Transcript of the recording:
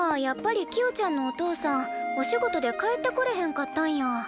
やっぱりキヨちゃんのお父さんお仕事で帰ってこれへんかったんや。